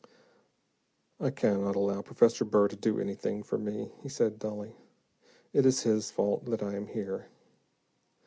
"I cannot allow Professor Burr to do anything for me," he said dully. "It is his fault that I am here."